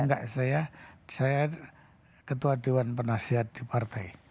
enggak saya ketua dewan penasehat di partai